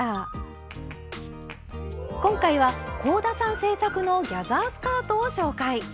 今回は香田さん制作のギャザースカートを紹介。